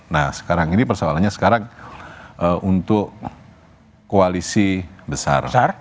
nah persoalannya sekarang untuk koalisi besar